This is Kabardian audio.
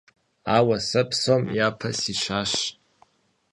Ауэ сэ псом япэ сищащ.